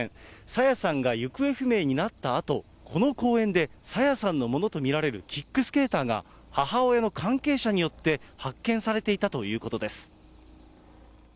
朝芽さんが行方不明になったあと、この公園で朝芽さんのものと見られるキックスケーターが、母親の関係者によって発見されていたということです。